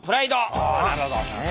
あなるほど。